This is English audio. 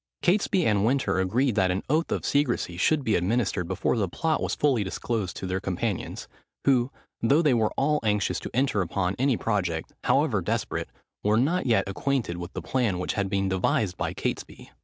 Catesby and Winter agreed that an oath of secresy should be administered before the plot was fully disclosed to their companions; who, though they were all anxious to enter upon any project, however desperate, were not yet acquainted with the plan which had been devised by Catesby.